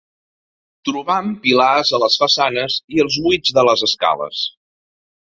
Trobam pilars a les façanes i als buits de les escales.